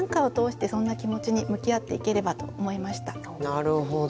なるほど。